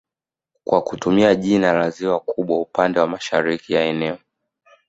kwa kutumia jina la ziwa kubwa upande wa mashariki ya eneo